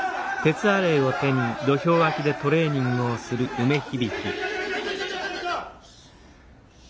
梅響。